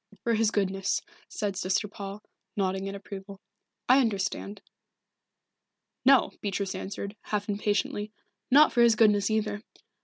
"For his goodness," said Sister Paul, nodding in approval. "I understand." "No," Beatrice answered, half impatiently. "Not for his goodness either.